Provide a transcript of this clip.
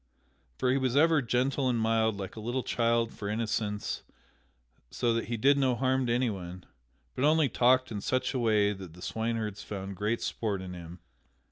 For he was ever gentle and mild like a little child for innocence so that he did no harm to anyone, but only talked in such a way that the swineherds found great sport in him.